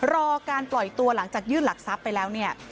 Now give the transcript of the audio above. รอการปล่อยตัวหลังจากยื่นหลักทรัพย์ไปแล้วเนี่ย